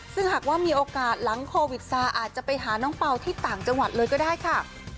ซึ่งหากว่ามีโอกาสหลังโควิดซาอาจจะไปหาน้องเป่าที่ต่างจังหวัดเลยก็ได้ค่ะ